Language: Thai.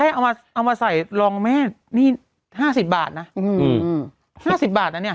แค่เอามาเอามาใส่รองแม่นี่ห้าสิบบาทนะอืมอืมห้าสิบบาทอ่ะเนี้ย